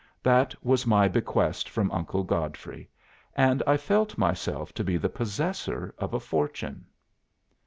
That was my bequest from Uncle Godfrey, and I felt myself to be the possessor of a fortune."